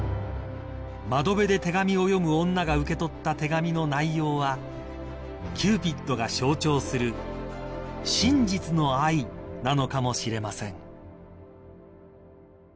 ［『窓辺で手紙を読む女』が受け取った手紙の内容はキューピッドが象徴する真実の愛なのかもしれません］